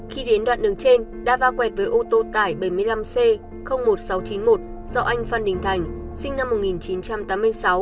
khi đến đoạn đường trên đã va quẹt với ô tô tải bảy mươi năm c một nghìn sáu trăm chín mươi một do anh phan đình thành sinh năm một nghìn chín trăm tám mươi sáu